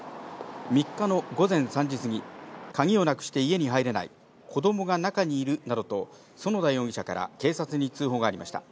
３日の午前３時過ぎ、鍵をなくして家に入れない、子どもが中にいるなどと、其田容疑者から警察に通報がありました。